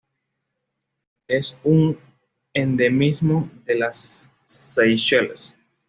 Es un endemismo de las Seychelles.